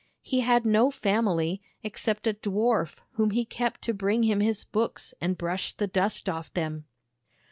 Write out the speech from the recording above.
He had no family, except a dwarf whom he kept to bring him his books and brush the dust off them.